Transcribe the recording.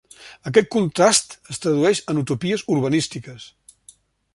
Aquest contrast es tradueix en utopies urbanístiques.